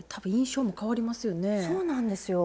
そうなんですよ。